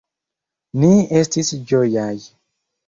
Ni estis ĝojaj.